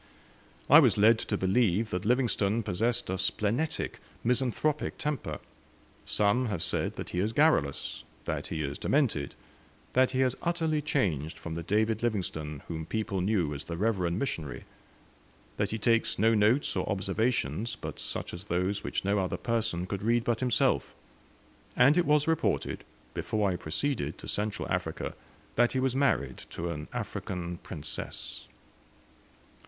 I was led to believe that Livingstone possessed a splenetic, misanthropic temper; some have said that he is garrulous, that he is demented; that he has utterly changed from the David Livingstone whom people knew as the reverend missionary; that he takes no notes or observations but such as those which no other person could read but himself; and it was reported, before I proceeded to Central Africa, that he was married to an African princess.